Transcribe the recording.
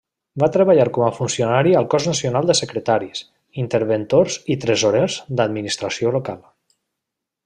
Va treballar com a funcionari al Cos Nacional de Secretaris, Interventors i Tresorers d’Administració Local.